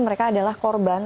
mereka adalah korban